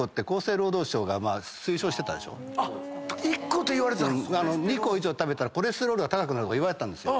１個といわれてたの⁉２個以上食べたらコレステロールが高くなるとかいわれてたんですよ。